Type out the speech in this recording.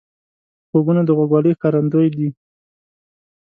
غوږونه د غوږوالۍ ښکارندوی دي